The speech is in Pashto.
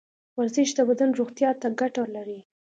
ورزش د بدن روغتیا ته ګټه لري.